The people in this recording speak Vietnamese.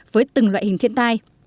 với từng loại hình thiên tai